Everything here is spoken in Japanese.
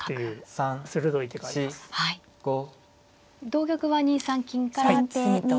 同玉は２三金から詰みと。